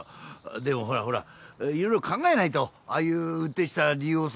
でもほらほら色々考えないとああいう運転した理由をさ。